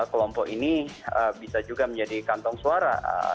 kelompok ini bisa juga menjadi kantong suara